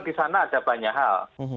di sana ada banyak hal